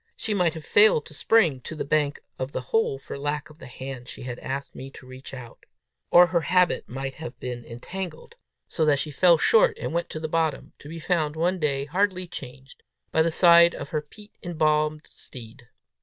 She might have failed to spring to the bank of the hole for lack of the hand she had asked me to reach out! Or her habit might have been entangled, so that she fell short, and went to the bottom to be found, one day, hardly changed, by the side of her peat embalmed steed!